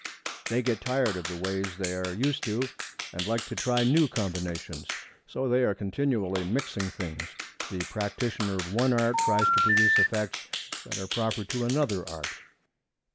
They get tired of the ways they are used to and like to try new combinations. So they are continually mixing things. The practitioner of one art tries to produce effects that are proper to another art.